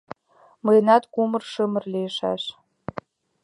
Мыйынат кумыр-шымыр лийшаш.